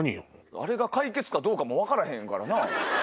あれが解決かどうかも分からへんからな。